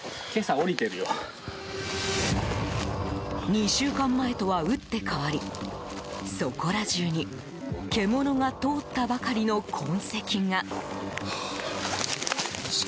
２週間前とは打って変わりそこら中に獣が通ったばかりの痕跡が。